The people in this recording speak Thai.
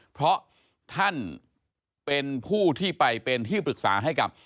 เพราะท่านเป็นผู้ที่ไปเป็นที่ปรึกษาให้กับ